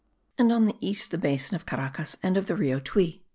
and on the east the basin of Caracas and of the Rio Tuy.